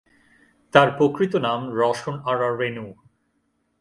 তার প্রকৃত নাম রওশন আরা রেণু।